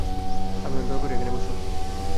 আপনারা দয়া করে ওখানে বসুন।